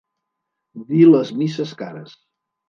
Dir les misses cares.